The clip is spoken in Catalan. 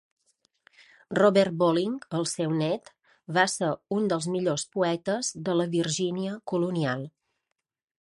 Robert Bolling, el seu net, va ser un dels millors poetes de la Virgínia colonial.